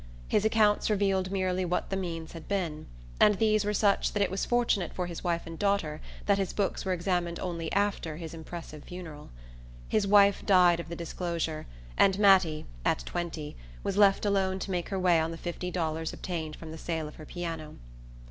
His accounts revealed merely what the means had been; and these were such that it was fortunate for his wife and daughter that his books were examined only after his impressive funeral. His wife died of the disclosure, and Mattie, at twenty, was left alone to make her way on the fifty dollars obtained from the sale of her piano.